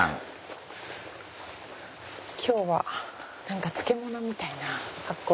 今日は何か漬物みたいな発酵食品。